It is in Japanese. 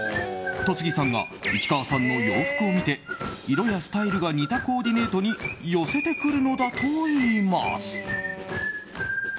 戸次さんが市川さんの洋服を見て色やスタイルが似たコーディネートに寄せてくるのだといいます。